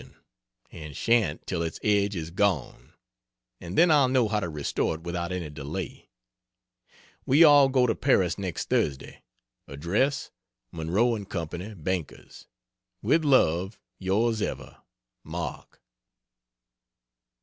and shan't till its edge is gone and then I'll know how to restore it without any delay. We all go to Paris next Thursday address, Monroe & Co., Bankers. With love Ys Ever MARK.